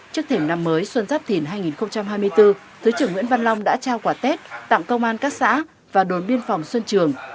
trước thềm năm mới xuân giáp thìn hai nghìn hai mươi bốn thứ trưởng nguyễn văn long đã trao quả tết tặng công an các xã và đồn biên phòng xuân trường